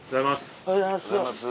おはようございます。